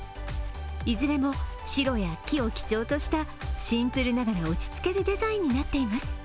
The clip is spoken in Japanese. いずれも白や木を基調としたシンプルながら落ち着けるデザインになっています。